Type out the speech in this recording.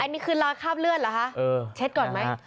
อันนี้คือรอยคราบเลือดเหรอคะเช็ดก่อนไหม